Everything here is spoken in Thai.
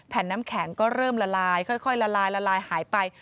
น้ำแข็งก็เริ่มละลายค่อยละลายละลายหายไป